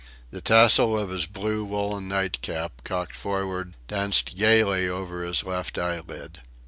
The tassel of his blue woollen nightcap, cocked forward, danced gaily over his left eyelid.